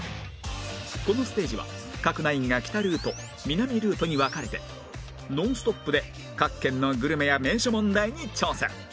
このステージは各ナインが北ルート南ルートに分かれてノンストップで各県のグルメや名所問題に挑戦